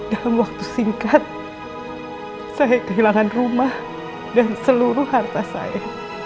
dalam waktu singkat saya kehilangan rumah dan seluruh harta saya